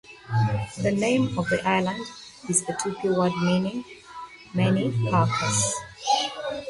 The name of the island is a Tupi word meaning "many pacas".